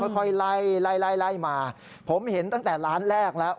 ค่อยไล่ไล่มาผมเห็นตั้งแต่ร้านแรกแล้ว